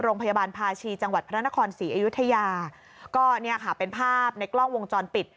โรงพยาบาลภาชีจังหวัดพระนครศรีอยุธยาก็เนี่ยค่ะเป็นภาพในกล้องวงจรปิด